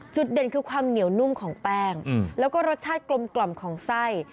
เด่นคือความเหนียวนุ่มของแป้งแล้วก็รสชาติกลมกล่อมของไส้